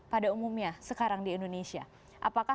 pada umumnya sekarang di indonesia apakah